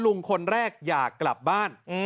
ลุงคนแรกอยากกลับบ้าน